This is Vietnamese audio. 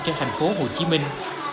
trên thành phố hồ chí minh